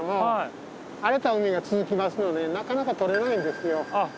荒れた海が続きますのでなかなかとれないんですよああ